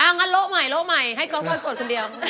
อ้างั้นโละใหม่ให้ก๊อตตรวจคนเดียว